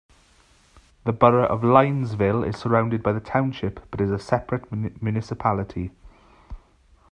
The borough of Linesville is surrounded by the township but is a separate municipality.